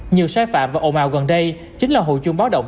nhiều sai phạm và ồn ào gần đây chính là hụt chung báo động